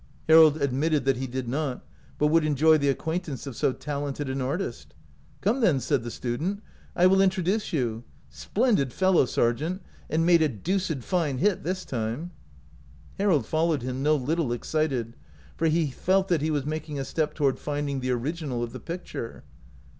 Harold admitted that he did not, but would enjoy the acquaintance of so talented an artist. " Come, then," said the student, " I will 187 OUT OF BOHEMIA introduce you. Splendid fellow, Sargent, and made a deuced fine hit this time." Harold followed him, no little excited, for he felt that he was making a step toward find ing the original of the picture.